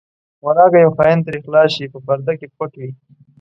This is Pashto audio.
ولاکه یو خاین ترې خلاص شي په پرده کې پټ وي.